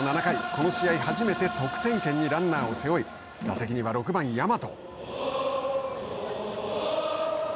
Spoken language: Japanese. この試合初めて得点圏にランナーを背負い打席には６番大和。